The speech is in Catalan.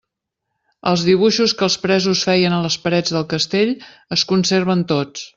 Els dibuixos que els presos feien a les parets del castell es conserven tots.